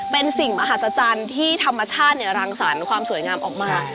เป็นสิ่งมหัศจรรย์ที่ธรรมชาติรังสรรค์ความสวยงามออกมา